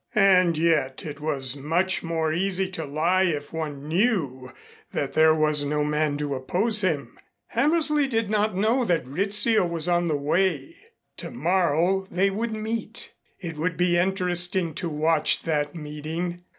And yet it was much more easy to lie if one knew that there was no man to oppose him. Hammersley did not know that Rizzio was on the way. Tomorrow they would meet. It would be interesting to watch that meeting.